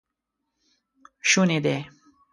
شونی دی